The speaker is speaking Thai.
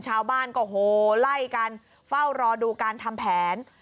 ชาวบ้านก็โหไล่กันเฝ้ารอดูการทำแผน